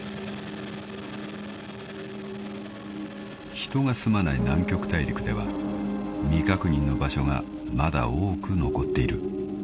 ［人が住まない南極大陸では未確認の場所がまだ多く残っている］